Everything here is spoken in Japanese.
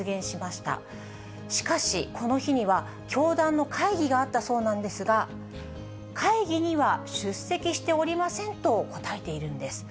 しかしこの日には、教団の会議があったそうなんですが、会議には出席しておりませんと答えているんです。